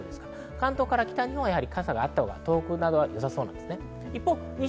関東から北日本は傘があったほうがよさそうです。